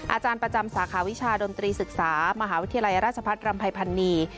อาจารย์ประจำสาขาวิชาดนตรีศึกษามหาวิทยาลัยราชพัฒน์รำภัยพันนี